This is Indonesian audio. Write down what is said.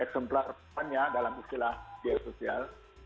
eksemplarannya dalam istilah media sosial